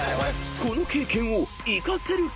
［この経験を生かせるか？］